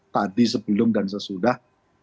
tadi sebelum dan sesudah